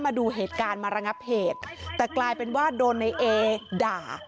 มาดูเหตุการณ์มาระงับเหตุแต่กลายเป็นว่าโดนในเอด่า